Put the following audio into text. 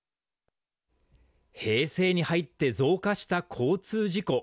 平成に入って増加した交通事故。